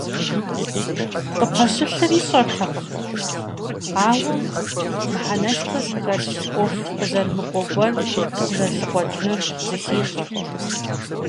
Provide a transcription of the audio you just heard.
Къыпэщылъыр ищӀэртэкъым, ауэ мыхьэнэшхуэ зыхэлъ, ӏуэху къызэрымыкӏуэ гуэр къызэрылъыкъуэкӏынур зыхищӏэрт.